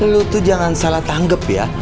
lu tuh jangan salah tanggep ya